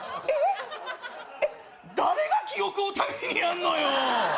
えっ誰が記憶を頼りにやんのよ